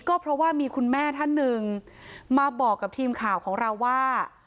ก็เพราะว่ามีคุณแม่ท่านหนึ่งมาบอกกับทีมข่าวของเราว่า